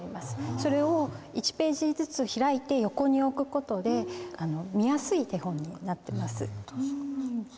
それを１ページずつ開いて横に置く事で見やすい手本になってます。